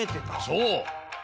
そう！